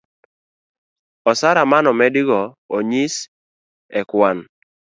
osara manomedi go inyis ekwan